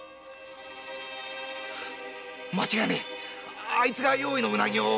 間違いねぇあいつが用意したウナギを桶に。